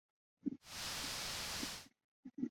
博克龙是巴拿马奇里基省博克龙区的一个市。